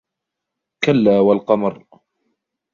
كلا والقمر